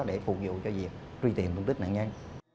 để phục vụ cho việc truy tiện công tích nạn nhân